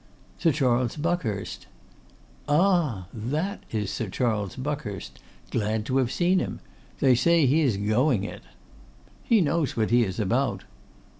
'Sir Charles Buckhurst.' 'A h! That is Sir Charles Buckhurst. Glad to have seen him. They say he is going it.' 'He knows what he is about.